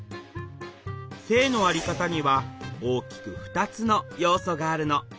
性の在り方には大きく２つの要素があるの。